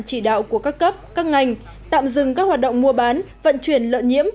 chỉ đạo của các cấp các ngành tạm dừng các hoạt động mua bán vận chuyển lợn nhiễm